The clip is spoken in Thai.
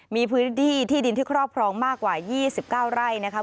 มีพื้นที่ที่ดินที่ครอบพร้อมมากกว่ายี่สิบเก้าไร่นะคะ